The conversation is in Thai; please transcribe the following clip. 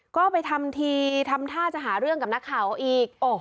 ก็ไปทำทีทำท่าจะหาเรื่องกับนักข่าวอีก